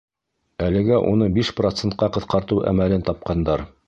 Әлегә уны биш процентҡа ҡыҫҡартыу әмәлен тапҡандар.